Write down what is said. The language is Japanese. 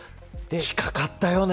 近かったよね。